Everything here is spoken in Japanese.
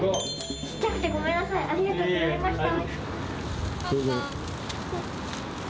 小っちゃくてごめんなさいありがとうございました。